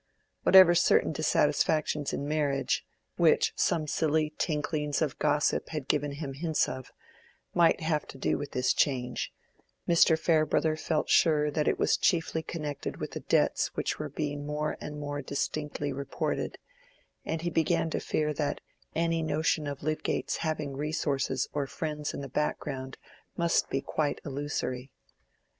Whatever certain dissatisfactions in marriage, which some silly tinklings of gossip had given him hints of, might have to do with this change, Mr. Farebrother felt sure that it was chiefly connected with the debts which were being more and more distinctly reported, and he began to fear that any notion of Lydgate's having resources or friends in the background must be quite illusory.